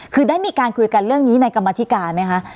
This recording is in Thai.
คือได้มีการคุยกันเรื่องนี้ในกรรมธิการไหมคะ